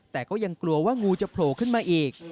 แต่ก็ยังกลัวว่างูจะโผล่ขึ้นมาอีก